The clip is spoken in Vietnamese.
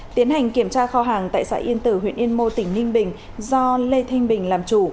tiến hành kiểm tra kho hàng tại xã yên tử huyện yên mô tỉnh ninh bình do lê thanh bình làm chủ